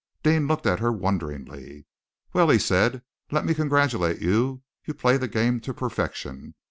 Deane looked at her wonderingly. "Well," he said, "let me congratulate you. You play the game to perfection.